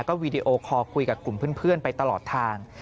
วีดีโอคอลคุยกับกลุ่มเพื่อนไปตลอดทาง